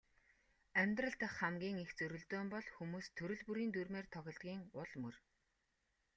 Амьдрал дахь хамгийн их зөрөлдөөн бол хүмүүс төрөл бүрийн дүрмээр тоглодгийн ул мөр.